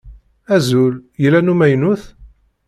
Azul! Yella n umaynut?